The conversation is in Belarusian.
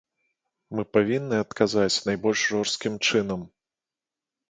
Мы павінны адказаць найбольш жорсткім чынам.